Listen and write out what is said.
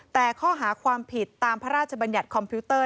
แต่ข้อหาความผิดตามพระราชบัญญัติคอมพิวเตอร์